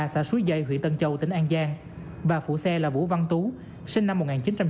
xã xúi dây huyện tân châu tỉnh an giang và phụ xe là vũ văn tú sinh năm một nghìn chín trăm chín mươi ba